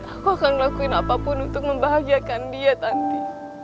aku akan ngelakuin apapun untuk membahagiakan dia nanti